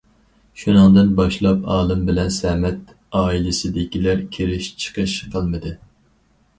شۇنىڭدىن باشلاپ ئالىم بىلەن سەمەت ئائىلىسىدىكىلەر كىرىش چىقىش قىلمىدى.